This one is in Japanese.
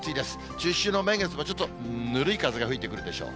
中秋の名月もちょっとぬるい風が吹いてくるでしょう。